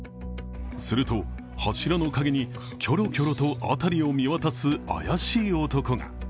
すると、柱の陰にキョロキョロと辺りを見渡す怪しい男が。